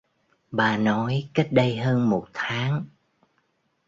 Bà nói cách đây hơn một tháng